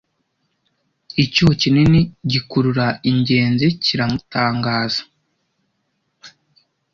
icyuho kinini gikurura ingenzi kiramutangaza